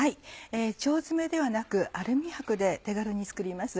腸詰めではなくアルミ箔で手軽に作ります。